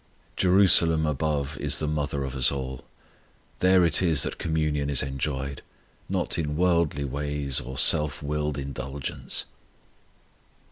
Jerusalem above is the mother of us all. There it is that communion is enjoyed, not in worldly ways or self willed indulgence.